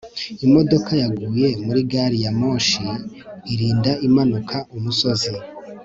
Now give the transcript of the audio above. imodoka yaguye muri gari ya moshi irinda umanuka umusozi